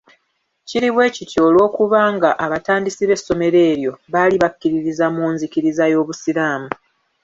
Kiri bwe kityo olw'okuba nga abatandisi b'essomero eryo baali bakkiririza mu nzikiriza y'obusiraamu.